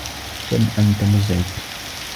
كم أنت مزعج!